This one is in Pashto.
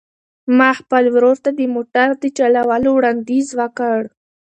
ما خپل ورور ته د موټر د چلولو وړاندیز وکړ.